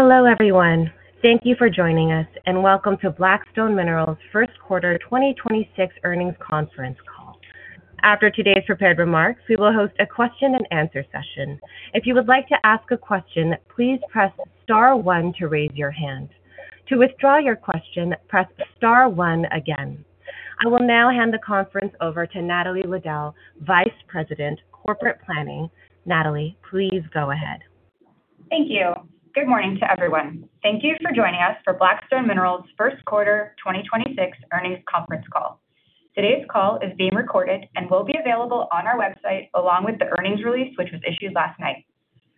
Hello, everyone. Thank you for joining us, and welcome to Black Stone Minerals First Quarter 2026 Earnings Conference Call. After today's prepared remarks, we will host a question and answer session. If you would like to ask a question, please press star one to raise your hand. To withdraw your question, press star one again. I will now hand the conference over to Natalie Liddell, Vice President, Corporate Planning. Natalie, please go ahead. Thank you. Good morning to everyone. Thank you for joining us for Black Stone Minerals first quarter 2026 earnings conference call. Today's call is being recorded and will be available on our website along with the earnings release, which was issued last night.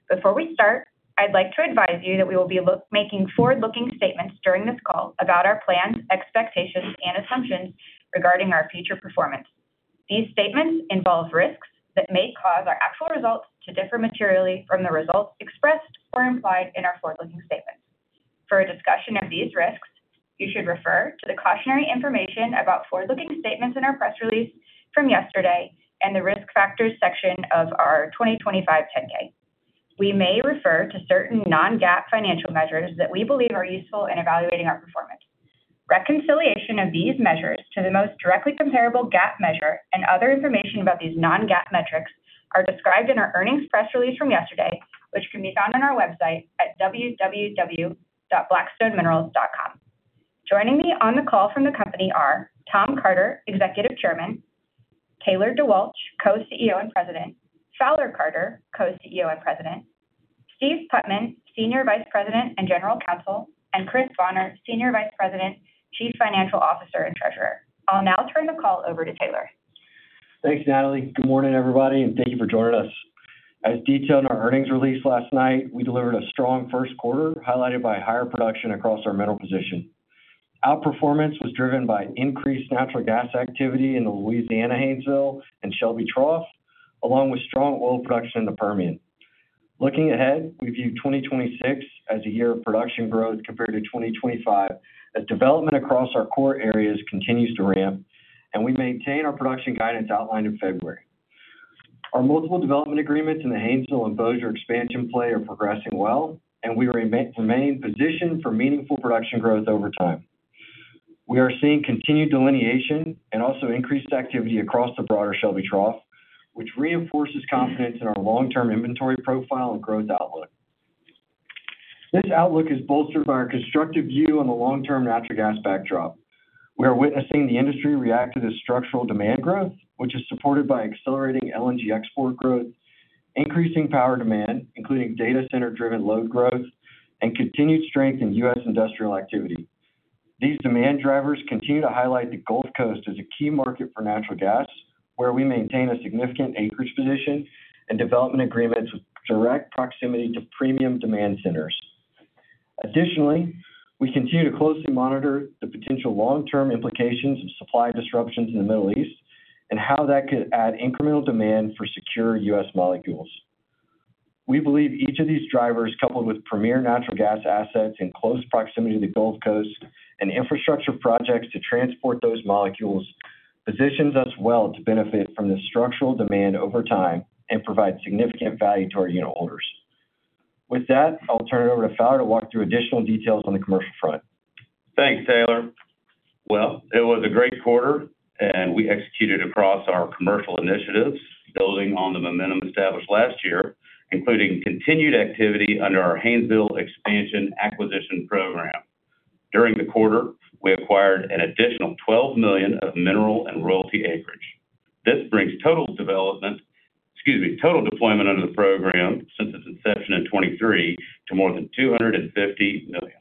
Before we start, I'd like to advise you that we will be making forward-looking statements during this call about our plans, expectations, and assumptions regarding our future performance. These statements involve risks that may cause our actual results to differ materially from the results expressed or implied in our forward-looking statements. For a discussion of these risks, you should refer to the cautionary information about forward-looking statements in our press release from yesterday and the Risk Factors section of our 2025 10-K. We may refer to certain non-GAAP financial measures that we believe are useful in evaluating our performance. Reconciliation of these measures to the most directly comparable GAAP measure and other information about these non-GAAP metrics are described in our earnings press release from yesterday, which can be found on our website at www.blackstoneminerals.com. Joining me on the call from the company are Tom Carter, Executive Chairman, Taylor DeWalch, Co-CEO and President, Fowler Carter, Co-CEO and President, Steve Putman, Senior Vice President and General Counsel, and Chris Bonner, Senior Vice President, Chief Financial Officer, and Treasurer. I'll now turn the call over to Taylor. Thanks, Natalie. Good morning, everybody, and thank you for joining us. As detailed in our earnings release last night, we delivered a strong first quarter, highlighted by higher production across our mineral position. Outperformance was driven by increased natural gas activity in the Louisiana Haynesville and Shelby Trough, along with strong oil production in the Permian. Looking ahead, we view 2026 as a year of production growth compared to 2025 as development across our core areas continues to ramp, and we maintain our production guidance outlined in February. Our multiple development agreements in the Haynesville and Bossier expansion play are progressing well, and we remain positioned for meaningful production growth over time. We are seeing continued delineation and also increased activity across the broader Shelby Trough, which reinforces confidence in our long-term inventory profile and growth outlook. This outlook is bolstered by our constructive view on the long-term natural gas backdrop. We are witnessing the industry react to the structural demand growth, which is supported by accelerating LNG export growth, increasing power demand, including data center-driven load growth, and continued strength in U.S. industrial activity. These demand drivers continue to highlight the Gulf Coast as a key market for natural gas, where we maintain a significant acreage position and development agreements with direct proximity to premium demand centers. Additionally, we continue to closely monitor the potential long-term implications of supply disruptions in the Middle East and how that could add incremental demand for secure U.S. molecules. We believe each of these drivers, coupled with premier natural gas assets in close proximity to the Gulf Coast and infrastructure projects to transport those molecules, positions us well to benefit from the structural demand over time and provide significant value to our unitholders. With that, I'll turn it over to Fowler to walk through additional details on the commercial front. Thanks, Taylor. Well, it was a great quarter. We executed across our commercial initiatives, building on the momentum established last year, including continued activity under our Haynesville Expansion Acquisition Program. During the quarter, we acquired an additional $12 million of mineral and royalty acreage. This brings total deployment under the program since its inception in 2023 to more than $250 million,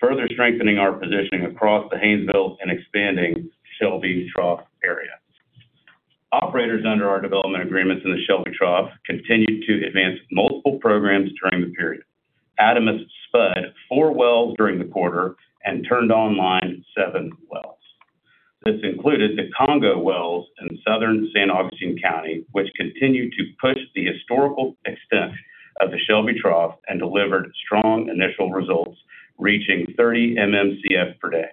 further strengthening our positioning across the Haynesville and expanding Shelby Trough area. Operators under our development agreements in the Shelby Trough continued to advance multiple programs during the period. Adamas spud four wells during the quarter and turned online seven wells. This included the Congo wells in southern San Augustine County, which continued to push the historical extent of the Shelby Trough and delivered strong initial results, reaching 30 MMcf per day.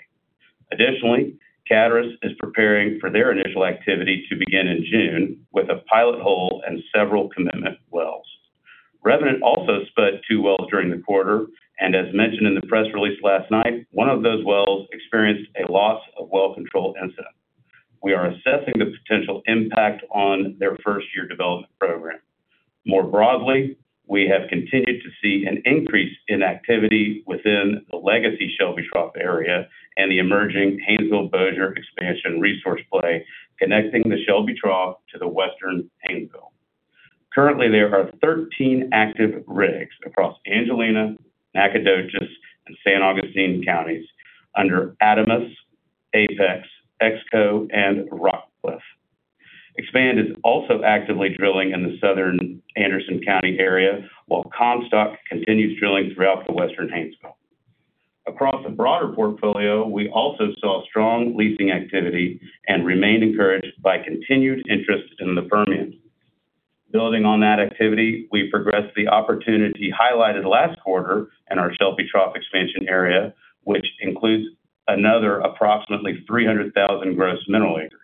Additionally, Caturus is preparing for their initial activity to begin in June with a pilot hole and several commitment wells. Revenant also spud two wells during the quarter, and as mentioned in the press release last night, one of those wells experienced a loss of well control incident. We are assessing the potential impact on their first-year development program. More broadly, we have continued to see an increase in activity within the legacy Shelby Trough area and the emerging Haynesville Bossier Expansion Resource Play, connecting the Shelby Trough to the western Haynesville. Currently, there are 13 active rigs across Angelina, Nacogdoches, and San Augustine counties under Adamas, Apex, Exco, and Rockcliff. Expand is also actively drilling in the southern Anderson County area while Comstock continues drilling throughout the western Haynesville. Across a broader portfolio, we also saw strong leasing activity and remained encouraged by continued interest in the Permian. Building on that activity, we progressed the opportunity highlighted last quarter in our Shelby Trough expansion area, which includes another approximately 300,000 gross mineral acres.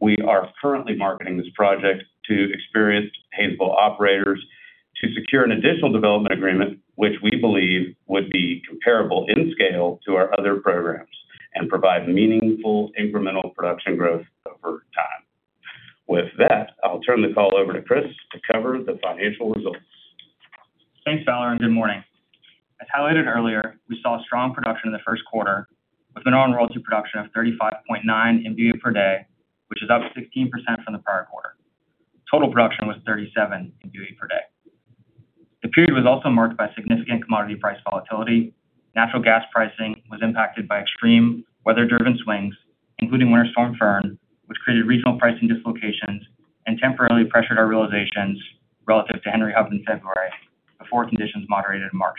We are currently marketing this project to experienced capable operators to secure an additional development agreement, which we believe would be comparable in scale to our other programs and provide meaningful incremental production growth over time. With that, I'll turn the call over to Chris to cover the financial results. Thanks, Fowler, and good morning. As highlighted earlier, we saw strong production in the first quarter with an overall to production of 35.9 MBOE per day, which is up 16% from the prior quarter. Total production was 37 MBOE per day. The period was also marked by significant commodity price volatility. Natural gas pricing was impacted by extreme weather-driven swings, including Winter Storm, which created regional pricing dislocations and temporarily pressured our realizations relative to Henry Hub in February before conditions moderated in March.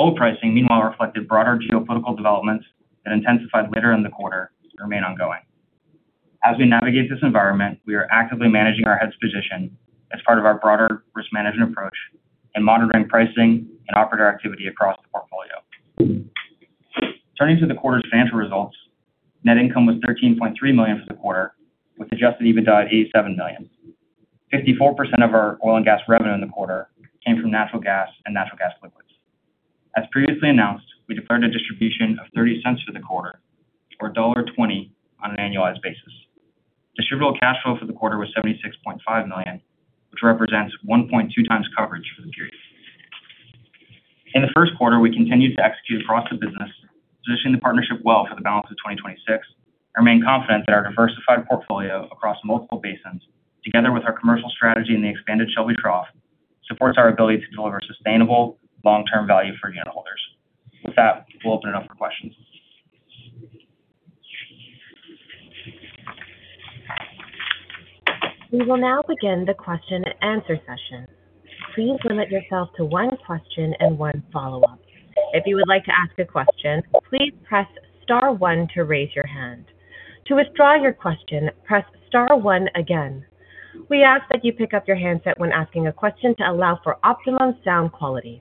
Oil pricing, meanwhile, reflected broader geopolitical developments that intensified later in the quarter remain ongoing. As we navigate this environment, we are actively managing our hedge position as part of our broader risk management approach and monitoring pricing and operator activity across the portfolio. Turning to the quarter's financial results, net income was $13.3 million for the quarter, with adjusted EBITDA at $87 million. 54% of our oil and gas revenue in the quarter came from natural gas and natural gas liquids. As previously announced, we declared a distribution of $0.30 for the quarter, or $1.20 on an annualized basis. Distributable cash flow for the quarter was $76.5 million, which represents 1.2x coverage for the period. In the first quarter, we continued to execute across the business, positioning the partnership well for the balance of 2026. I remain confident that our diversified portfolio across multiple basins, together with our commercial strategy and the expanded Shelby Trough, supports our ability to deliver sustainable long-term value for unitholders. With that, we'll open it up for questions. We will now begin the question and answer session. Please limit yourself to one question and one follow-up. If you would like to ask a question, please press star one to raise your hand. To withdraw your question, press star one again. We ask that you pick up your handset when asking a question to allow for optimum sound quality.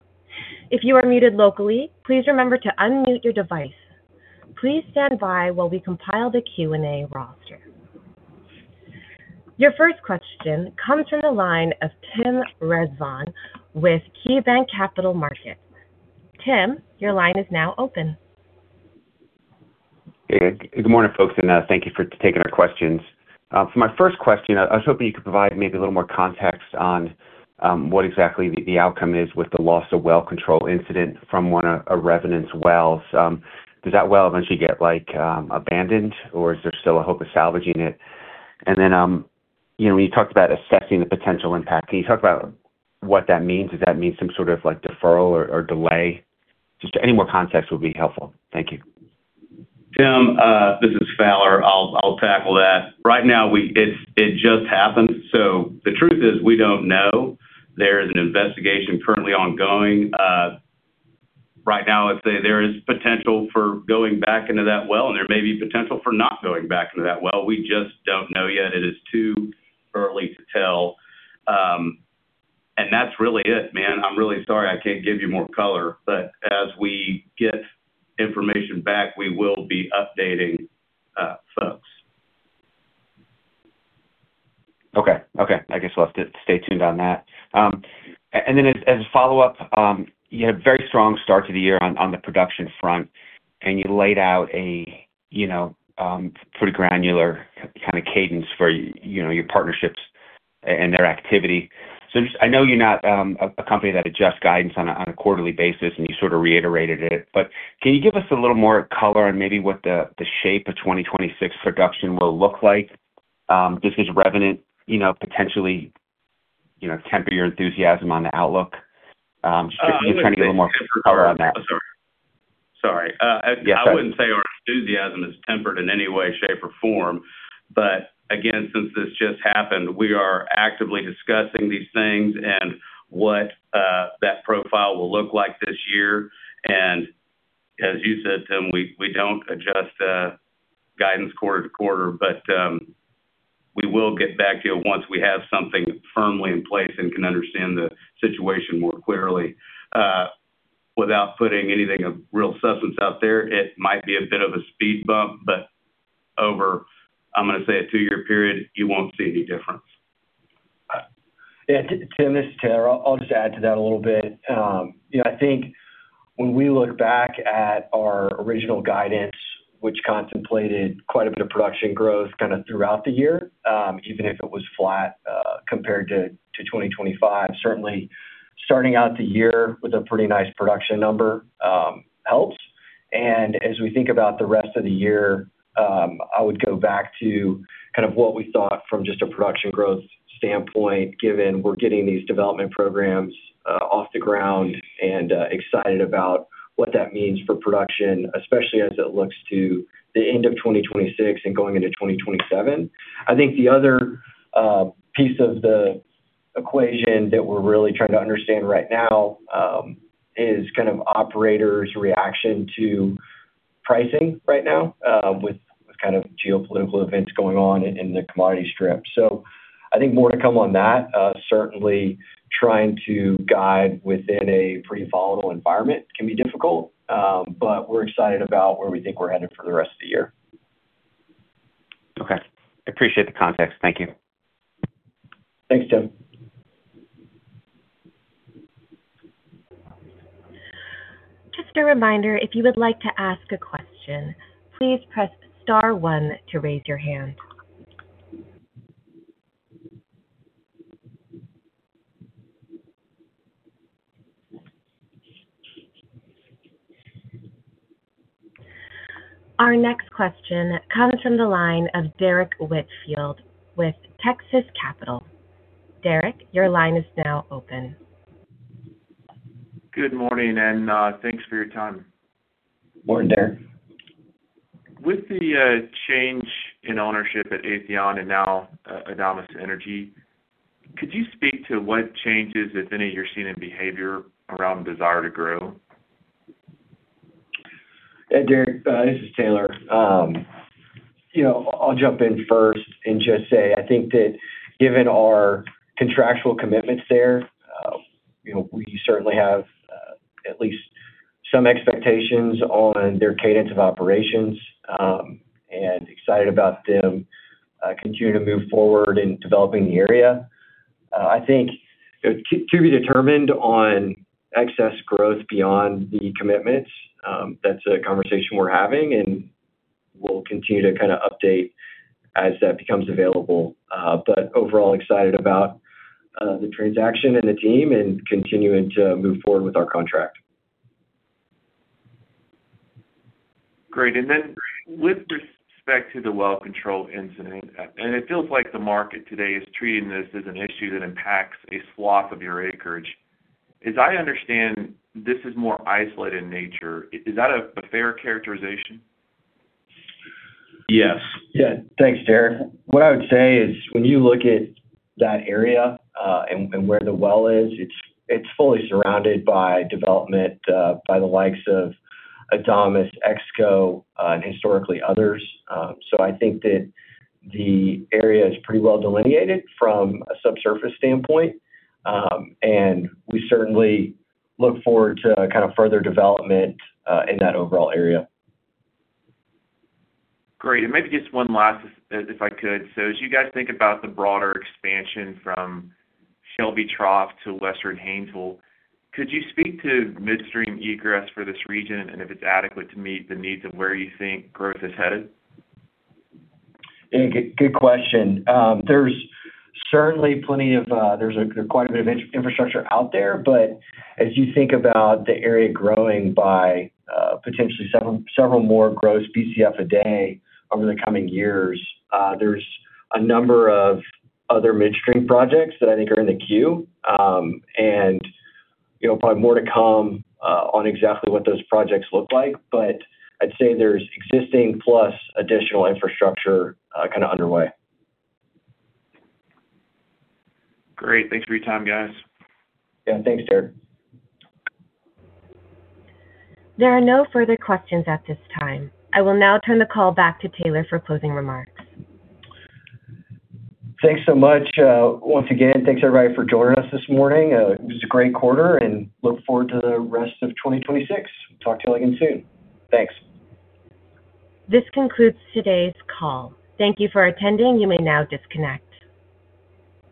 If you are muted locally, please remember to unmute your device. Please stand by while we compile the Q&A roster. Your first question comes from the line of Tim Rezvan with KeyBanc Capital Markets. Tim, your line is now open. Hey, good morning, folks, thank you for taking our questions. For my first question, I was hoping you could provide maybe a little more context on what exactly the outcome is with the loss of well control incident from one of Revenant's wells. Does that well eventually get, like, abandoned, or is there still a hope of salvaging it? You know, when you talked about assessing the potential impact, can you talk about what that means? Does that mean some sort of like deferral or delay? Just any more context would be helpful. Thank you. Tim, this is Fowler. I'll tackle that. Right now, it just happened. The truth is we don't know. There is an investigation currently ongoing. Right now, I'd say there is potential for going back into that well, and there may be potential for not going back into that well. We just don't know yet. It is too early to tell. That's really it, man. I'm really sorry I can't give you more color. As we get information back, we will be updating folks. Okay. Okay, I guess we'll have to stay tuned on that. As, as a follow-up, you had a very strong start to the year on the production front, and you laid out a, you know, pretty granular kinda cadence for you know, your partnerships and their activity. I know you're not a company that adjusts guidance on a quarterly basis, and you sort of reiterated it, can you give us a little more color on maybe what the shape of 2026 production will look like? Does this Revenant, you know, potentially, you know, temper your enthusiasm on the outlook? Just wondering if you had a little more color on that. Sorry. I wouldn't say our enthusiasm is tempered in any way, shape, or form. Again, since this just happened, we are actively discussing these things and what that profile will look like this year. As you said, Tim, we don't adjust guidance quarter to quarter, we will get back to you once we have something firmly in place and can understand the situation more clearly. Without putting anything of real substance out there, it might be a bit of a speed bump, over I'm gonna say a two-year period, you won't see any difference. Yeah. Tim, this is Taylor. I'll just add to that a little bit. You know, I think when we look back at our original guidance, which contemplated quite a bit of production growth kind of throughout the year, even if it was flat, compared to 2025. Certainly, starting out the year with a pretty nice production number helps. As we think about the rest of the year, I would go back to kind of what we thought from just a production growth standpoint, given we're getting these development programs off the ground and excited about what that means for production, especially as it looks to the end of 2026 and going into 2027. I think the other piece of the equation that we're really trying to understand right now, is kind of operators' reaction to pricing right now, with kind of geopolitical events going on in the commodity strip. I think more to come on that. Certainly trying to guide within a pretty volatile environment can be difficult, but we're excited about where we think we're headed for the rest of the year. Appreciate the context. Thank you. Thanks, Tim. Just a reminder, if you would like to ask a question, please press star one to raise your hand. Our next question comes from the line of Derrick Whitfield with Texas Capital. Derrick, your line is now open. Good morning. Thanks for your time. Morning, Derrick. With the change in ownership at Aethon and now, Adamas Energy, could you speak to what changes, if any, you're seeing in behavior around desire to grow? Yeah, Derrick, this is Taylor. You know, I'll jump in first and just say I think that given our contractual commitments there, you know, we certainly have at least some expectations on their cadence of operations. Excited about them continuing to move forward in developing the area. I think it's to be determined on excess growth beyond the commitments. That's a conversation we're having, and we'll continue to kinda update as that becomes available. Overall excited about the transaction and the team and continuing to move forward with our contract. Great. With respect to the well control incident, and it feels like the market today is treating this as an issue that impacts a swath of your acreage. As I understand, this is more isolated in nature. Is that a fair characterization? Yes. Yeah. Thanks, Derrick. What I would say is when you look at that area, and where the well is, it's fully surrounded by development, by the likes of Adamas, Exco, and historically others. I think that the area is pretty well delineated from a subsurface standpoint. We certainly look forward to kind of further development in that overall area. Great. Maybe just one last, if I could. As you guys think about the broader expansion from Shelby Trough to Western Haynesville, could you speak to midstream egress for this region and if it's adequate to meet the needs of where you think growth is headed? Yeah. Good, good question. There's certainly plenty of, there's quite a bit of infrastructure out there. As you think about the area growing by, potentially several more gross Bcf a day over the coming years, there's a number of other midstream projects that I think are in the queue. You know, probably more to come on exactly what those projects look like. I'd say there's existing plus additional infrastructure kind of underway. Great. Thanks for your time, guys. Yeah. Thanks, Derrick. There are no further questions at this time. I will now turn the call back to Taylor for closing remarks. Thanks so much. Once again, thanks everybody for joining us this morning. It was a great quarter, look forward to the rest of 2026. Talk to you again soon. Thanks. This concludes today's call. Thank you for attending. You may now disconnect.